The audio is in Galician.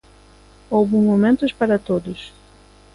Houbo momentos para todos.